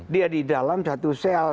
dia di dalam satu sel